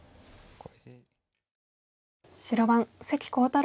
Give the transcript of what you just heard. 白番関航太郎